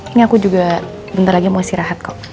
ini aku juga bentar lagi mau istirahat kok